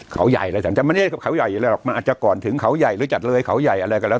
เขาใหญ่อะไรแหละมันไม่ใช่เขาใหญ่เลยหรอกมันอาจจะก่อนถึงเขาใหญ่หรือจัดเลยเขาใหญ่อะไรก็แล้ว